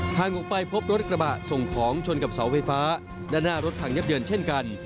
ทางออกไปพบรถกระบะส่งของชนกับเสาไฟฟ้าด้านหน้ารถพังยับเยินเช่นกัน